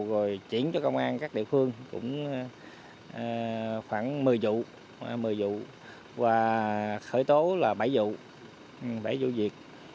rồi chuyển cho công an các địa phương khoảng một mươi vụ và khởi tố là bảy vụ bảy vụ việc